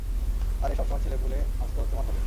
আরে, সবসময় ছেলেপুলে আসতো তোমার ঘরে।